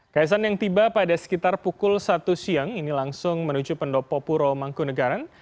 kaisan yang tiba pada sekitar pukul satu siang ini langsung menuju pendopo puro mangkunegaran